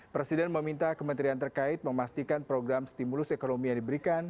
presiden meminta kementerian terkait memastikan program stimulus ekonomi yang diberikan